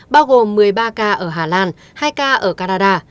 bao gồm một mươi ba ca ở hà lan hai ca ở canada